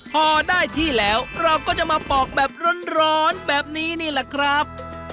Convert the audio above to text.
พอได้ที่แล้วเราก็จะมาปอกแบบร้อนแบบนี้นี่แหละครับ